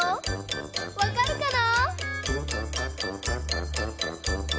わかるかな？